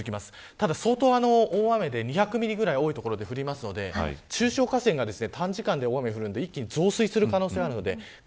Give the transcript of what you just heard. ただ、相当大雨で２００ミリぐらい多い所で降りますので中小河川が短時間で大雨で降るので一気に増水する可能性があります。